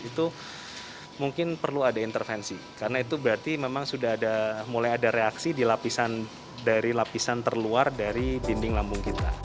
itu mungkin perlu ada intervensi karena itu berarti memang sudah mulai ada reaksi di lapisan terluar dari dinding lambung kita